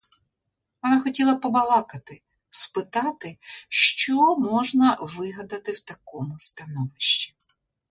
Вона хотіла побалакати, спитати, що можна вигадати в такому становищі.